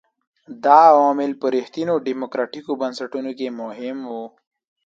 دا عوامل په رښتینو ډیموکراټیکو بنسټونو کې مهم وو.